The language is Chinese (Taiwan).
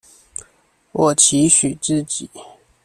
我期許自己